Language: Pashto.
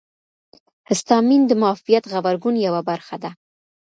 هسټامین د معافیت غبرګون یوه برخه ده.